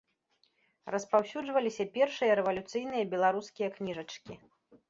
Распаўсюджваліся першыя рэвалюцыйныя беларускія кніжачкі.